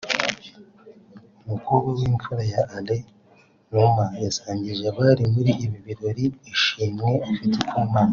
umukobwa w’imfura ya Alain Numa yasangije abari muri ibi birori ishimwe afite ku Mana